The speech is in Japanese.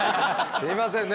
すいませんね